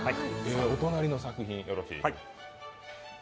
お隣の作品、よろしいですか。